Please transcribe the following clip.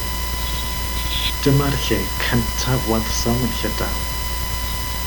Dyma'r lle cyntaf welsom yn Llydaw.